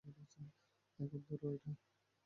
এখন ধরো এটা!